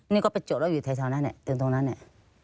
นี่ก็เป็นจุดเราอยู่ไทยเท่านั้นแหละตรงตรงนั้นแหละ